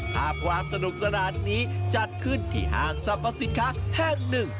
ภาพความสนุกสนานนี้จัดขึ้นที่ห้างสรรพสินค้าแห่งหนึ่ง